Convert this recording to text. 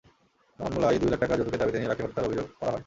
মামলায় দুই লাখ টাকা যৌতুকের দাবিতে নীলাকে হত্যার অভিযোগ করা হয়।